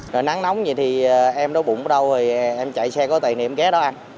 nắng nóng như vậy thì em đói bụng ở đâu thì em chạy xe có tài niệm ghé đó ăn